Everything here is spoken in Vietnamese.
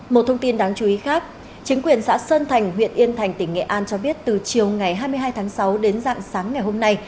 một thông tin đáng chú ý khác chính quyền xã sơn thành huyện yên thành tỉnh nghệ an cho biết từ chiều ngày hai mươi hai tháng sáu đến dạng sáng ngày hôm nay